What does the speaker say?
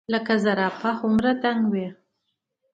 نۀ د زرافه هومره دنګ وي ،